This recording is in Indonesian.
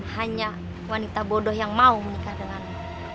hanya wanita bodoh yang mau menikah dengan